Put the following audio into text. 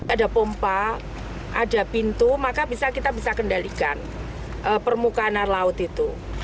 ada pompa ada pintu maka kita bisa kendalikan permukaan air laut itu